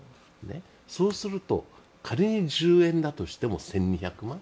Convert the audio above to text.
そうすると仮に１０円だとしても１２００万円。